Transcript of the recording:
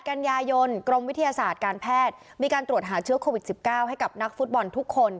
กันยายนกรมวิทยาศาสตร์การแพทย์มีการตรวจหาเชื้อโควิด๑๙ให้กับนักฟุตบอลทุกคน